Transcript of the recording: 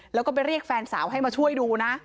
แล้วก็ไปเรียกแฟนสาวให้มาช่วยดูนะ